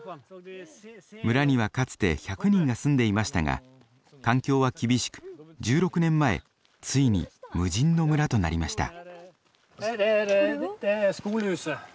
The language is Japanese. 村にはかつて１００人が住んでいましたが環境は厳しく１６年前ついに無人の村となりました。